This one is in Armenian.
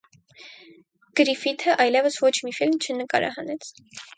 Գրիֆիթը այլևս ոչ մի ֆիլմ չնկարահանեց։